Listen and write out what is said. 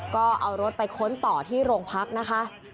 ก็เอารถไปค้นต่อที่โรงพักนะคะ